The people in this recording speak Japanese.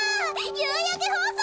夕焼け放送！